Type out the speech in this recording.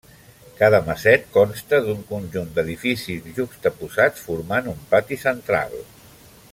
Cada maset consta d'un conjunt d'edificis juxtaposats formant un pati central.